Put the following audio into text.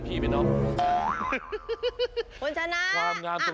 ได้เวลาแล้วเลิกงามยามดี